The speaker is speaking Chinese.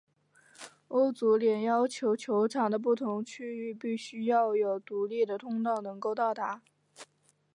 欧足联要求球场的不同区域必须要有独立的通道能够到达。